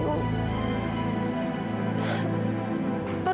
kamu sudah berhenti